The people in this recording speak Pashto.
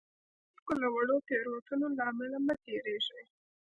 د خلکو له واړو تېروتنو له امله مه تېرېږئ.